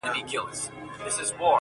التفات دي د نظر نظر بازي کوي نیاز بیني,